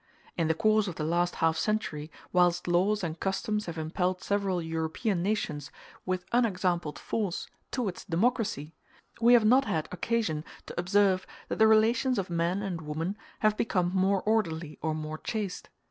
In the course of the last half century, whilst laws and customs have impelled several European nations with unexampled force towards democracy, we have not had occasion to observe that the relations of man and woman have become more orderly or more chaste.